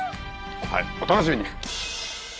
はいお楽しみに！